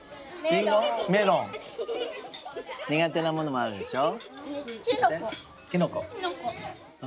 にがてなものもあるでしょ？